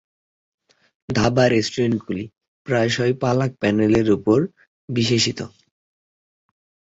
ধাবা রেস্টুরেন্টগুলি প্রায়শই পালাক প্যানেরের উপর বিশেষায়িত।